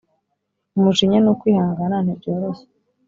Umujinya n’ukwihangana ntibyoroshye